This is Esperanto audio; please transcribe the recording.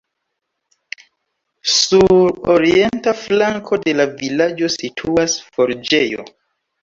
Sur orienta flanko de la vilaĝo situas forĝejo.